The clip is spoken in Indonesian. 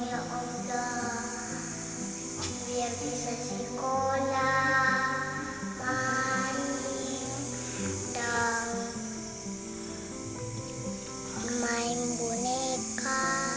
ya allah biar bisa sekolah main dan main boneka